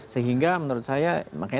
sehingga menurut saya makanya